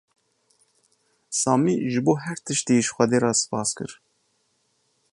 Samî ji bo her tiştî ji Xwedê re spas kir.